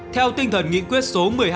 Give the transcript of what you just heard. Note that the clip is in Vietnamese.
theo tinh thần nghị quyết số một mươi hai